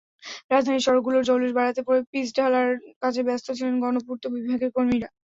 রাজধানীর সড়কগুলোর জৌলুশ বাড়াতে পিচঢালার কাজে ব্যস্ত ছিলেন গণপূর্ত বিভাগের কর্মীরা।